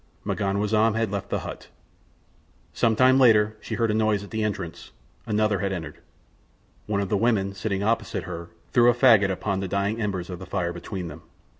M'ganwazam had left the hut. Sometime later she heard a noise at the entrance—another had entered. One of the women sitting opposite her threw a faggot upon the dying embers of the fire between them.